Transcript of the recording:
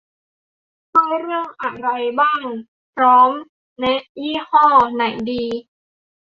ช่วยเรื่องอะไรบ้าง พร้อมแนะยี่ห้อไหนดี ปี